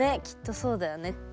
きっとそうだよね。